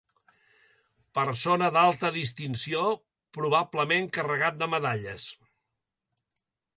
Persona d'alta distinció, probablement carregat de medalles.